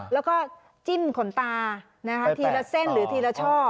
แล้วก็จิ้นขนตาทีละเส้นหรือทีละช่อ